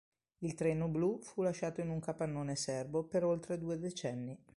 Il "Treno Blu", fu lasciato in un capannone serbo per oltre due decenni.